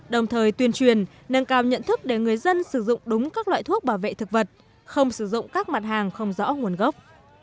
đồng thời tuyên truyền nâng cao nhận thức để người dân sử dụng đúng các loại thuốc bảo vệ thực vật không sử dụng các mặt hàng không rõ nguồn gốc